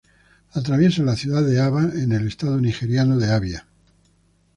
Atraviesa la ciudad de Aba en el estado nigeriano de Abia.